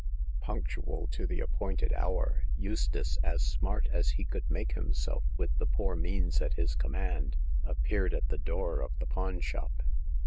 Punctual to the appointed hour, Eustace, as smart as he could make himself with the poor means at his command, appeared at the door of the pawn shop.